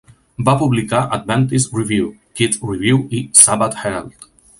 Va publicar Adventist Review, Kids Review i Sabbath Herald.